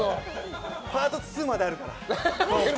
パート２まであるから。